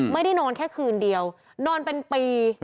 ไม่ได้นอนแค่คืนเดียวนอนเป็นปี